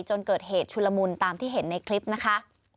จนเกิดเหตุชุลมุนตามที่เห็นในคลิปนะคะ